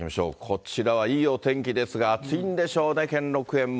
こちらはいいお天気ですが、暑いんでしょうね、兼六園も。